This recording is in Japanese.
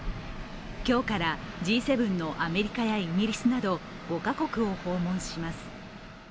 今日からＧ７のアメリカやイギリスなど５か国を訪問します。